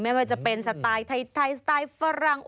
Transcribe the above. ไม่ว่าจะเป็นสไตล์ไทยสไตล์ฝรั่ง